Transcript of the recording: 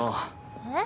えっ？